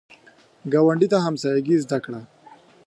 ګاونډي ته همسایګي زده کړه